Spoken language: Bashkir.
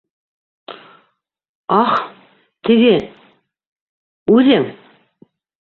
Аһ, теге... үҙең...